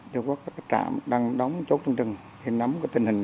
đều có các trạm đang đóng chốt trong rừng nắm tình hình